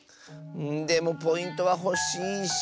でもポイントはほしいし。